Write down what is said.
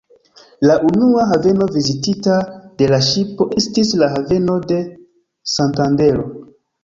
La unua haveno vizitita de la ŝipo estis la haveno de Santandero.